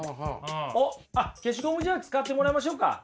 おっあっ消しゴムじゃあ使ってもらいましょうか。